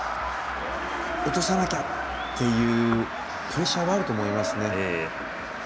落とさなきゃっていうプレッシャーはあると思いますね。